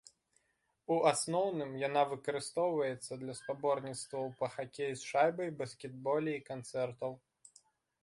У асноўным, яна выкарыстоўваецца для спаборніцтваў па хакеі з шайбай, баскетболе і канцэртаў.